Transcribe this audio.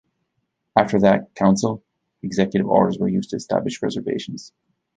After that council, executive Orders were used to establish reservations.